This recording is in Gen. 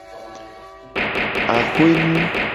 Axwe nu.